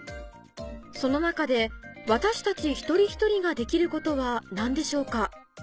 その中で私たち一人一人ができることは何でしょうか？